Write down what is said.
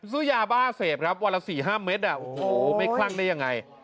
ซื้อยาบ้าเสพครับวันละ๔๕เมตรโอ้โหไม่คลั่งได้ยังไง